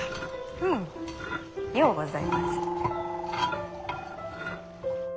うんようございます。